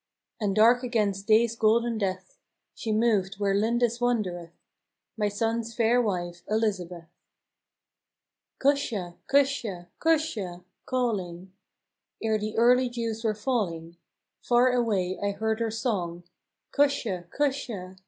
69 And dark against day's golden death She moved where Lindis wandereth My sonne's faire wife, Elizabeth. " Cusha! Cusha! Cusha! " calling, Ere the early dews were falling, Farre away I heard her song. " Cusha ! Cusha!